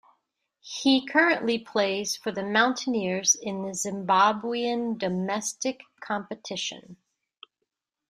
He currently plays for the Mountaineers in the Zimbabwean Domestic Competition.